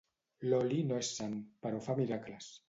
L'oli no és sant, però fa miracles.